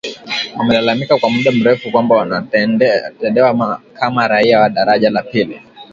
wamelalamika kwa muda mrefu kwamba wanatendewa kama raia wa daraja la pili